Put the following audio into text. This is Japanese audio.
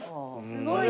すごい！